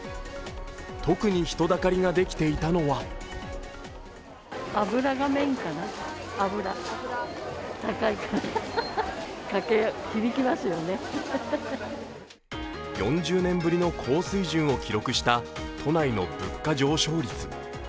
特に人だかりができていたのは４０年ぶりの高水準を記録した都内の物価上昇率。